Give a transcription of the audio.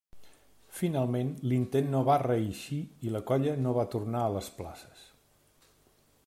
Finalment l'intent no va reeixir i la colla no va tornar a les places.